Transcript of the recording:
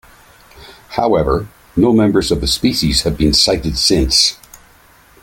However, no members of the species have been sighted since.